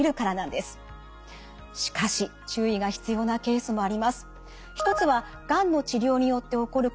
しかし注意が必要なケースもあります。